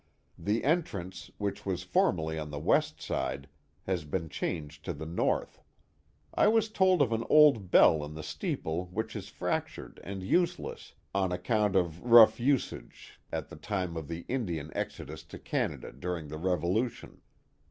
The entrance, which was formerly on the west side, has been changed to the north. I was told of an old bell in the steeple which is fractured and useless, on account of rough usage at 390 The Mohawk Valley the time of the Indian exodus lo Canada during the Revoiu* tion.